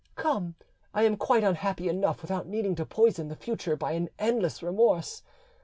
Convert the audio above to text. Come, I am quite unhappy enough without needing to poison the future by an endless remorse.